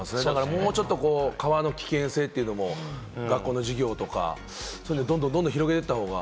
もうちょっと川の危険性というのを学校の授業とか、どんどん広げていった方が。